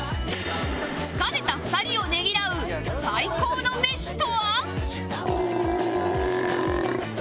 疲れた２人をねぎらう最高の飯とは？